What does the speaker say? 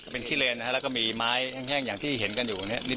เป็นขี้เลนนะฮะแล้วก็มีไม้แห้งอย่างที่เห็นกันอยู่ตรงนี้นิด